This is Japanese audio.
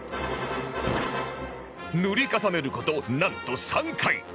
塗り重ねる事なんと３回